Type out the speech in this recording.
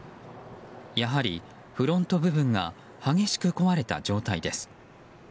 やはりフロント部分が激しく壊れた状態です。